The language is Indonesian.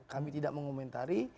kami tidak mengomentari